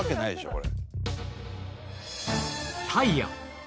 これ。